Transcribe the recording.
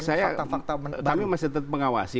saya masih tetap pengawasi